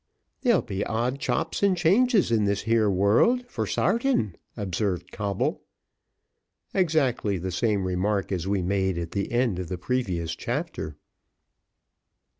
"There be odd chops and changes in this here world, for sartin," observed Coble. (Exactly the same remark as we made at the end of the previous chapter.)